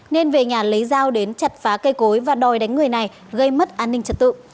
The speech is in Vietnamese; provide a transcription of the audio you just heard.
nên về nhà lấy dao đến chặt phá cây cối và đòi đánh người này gây mất an ninh trật tự